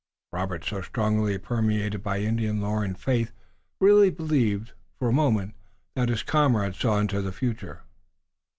Robert, so strongly permeated by Indian lore and faith, really believed, for a moment, that his comrade saw into the future.